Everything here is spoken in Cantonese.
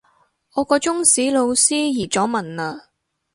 我個中史老師移咗民喇